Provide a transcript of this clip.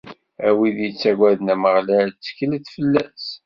A wid yettaggaden Ameɣlal, tteklet fell-as.